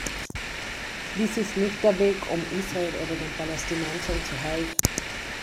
Dies ist nicht der Weg, um Israel oder den Palästinensern zu helfen.